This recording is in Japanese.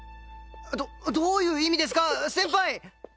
どどういう意味ですか先輩！